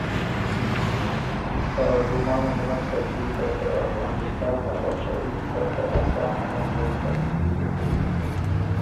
خه ګمانم بُو نک سَۀ کيې که ته افغانسان ا بادشايي بو سا په اسانه نک ژېن سره